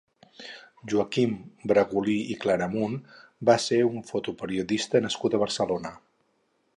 Joaquim Brangulí i Claramunt va ser un fotoperiodista nascut a Barcelona.